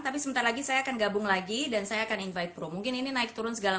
tapi sebentar lagi saya akan gabung lagi dan saya akan invite pro mungkin ini naik turun segala